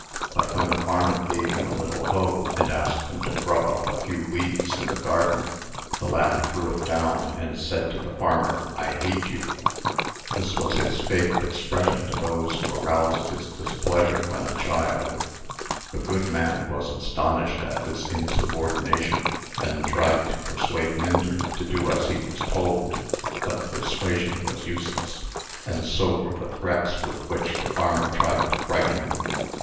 But when the farmer gave him a little hoe, and asked him to grub up a few weeds in the garden, the lad threw it down, and said to the farmer, 'I hate you.' This was his favorite expression to those who aroused his displeasure when a child. The good man was astonished at this insubordination, and tried to persuade Myndert to do as he was told. But persuasion was useless; and so were the threats with which the farmer tried to frighten him.